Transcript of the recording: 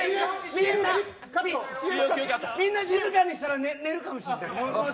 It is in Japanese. みんな静かにしたら寝るかもしれない。